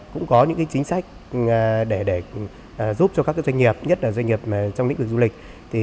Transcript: cũng có những chính sách để giúp cho các doanh nghiệp nhất là doanh nghiệp trong lĩnh vực du lịch